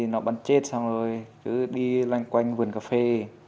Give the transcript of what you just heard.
nó bắn chết xong rồi cứ đi lanh quanh vườn cà phê